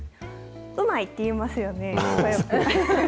うまいって言いますよね。